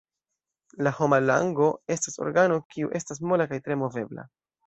La homa lango estas organo, kiu estas mola kaj tre movebla.